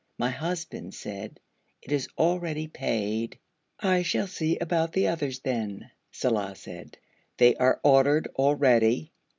My husband said: 'It is already paid.' 'I shall see about others then,' Saleh said. 'They are ordered already.'